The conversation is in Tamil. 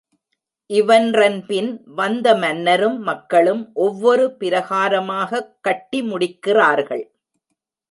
இவன்றன்பின் வந்த மன்னரும் மக்களும் ஒவ்வொரு பிரகாரமாகக் கட்டி முடிக்கிறார்கள்.